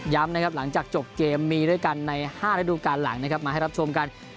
นะครับหลังจากจบเกมมีด้วยกันใน๕ระดูการหลังนะครับมาให้รับชมกัน